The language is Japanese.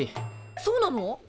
そうなの！？